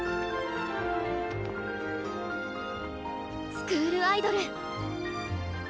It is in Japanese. スクールアイドル！